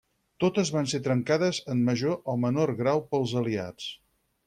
Totes van ser trencades en major o menor grau pels aliats.